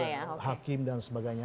kemudian melempar hakim dan sebagainya